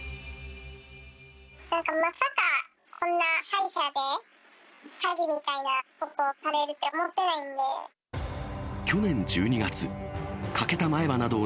まさかこんな歯医者で、詐欺みたいなことされるとは思ってないんで。